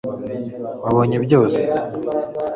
wabonye byose